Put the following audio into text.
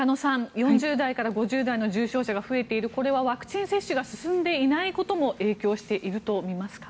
４０代から５０代の重症者が増えているこれはワクチン接種が進んでいないことも影響しているとみますか？